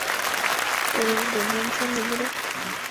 Por ordenanza No.